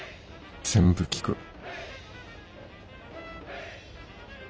全部聴く。